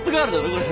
これ。